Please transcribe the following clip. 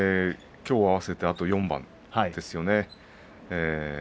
きょう合わせて４番ですね。